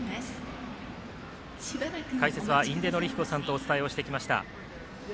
解説は印出順彦さんとお伝えをしてきました。